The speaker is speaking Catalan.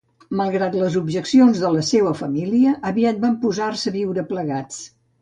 Malgrat les objeccions de la seua família, aviat van posar-se a viure plegats.